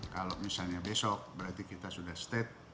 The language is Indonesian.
kalau misalnya besok berarti kita sudah state